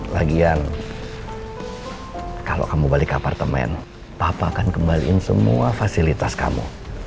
lagian kalau kamu balik apartemen papa akan kembaliin semua fasilitas kamu